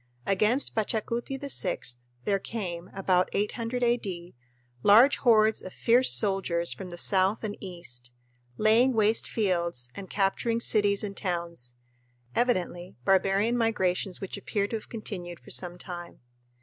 Against Pachacuti VI there came (about 800 A.D.) large hordes of fierce soldiers from the south and east, laying waste fields and capturing cities and towns; evidently barbarian migrations which appear to have continued for some time.